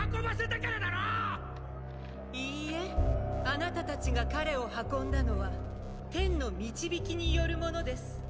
いいえあなた達が彼を運んだのは天の導きによるものです。